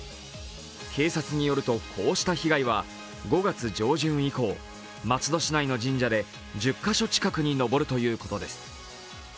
警察によると、こうした被害は５月上旬以降松戸市内の神社で１０カ所近くに上るということです。